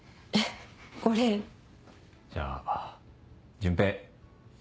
じゃあ潤平。